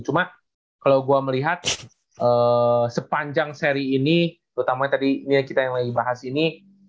cuma kalau gue melihat sepanjang seri ini utamanya tadi nia kita yang lagi bahas ini